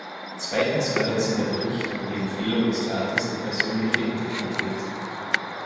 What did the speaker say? Zweitens verletzen der Bericht und die Empfehlung des Rates die persönliche Integrität.